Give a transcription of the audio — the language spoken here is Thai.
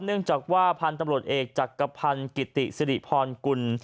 เนื่องจากว่าพันธุ์ตำรวจเอกจักรพันธ์กิติสิริพรกุล